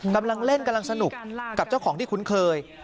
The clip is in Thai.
กำลังเล่นกำลังสนุกกับเจ้าของที่คุ้นเคย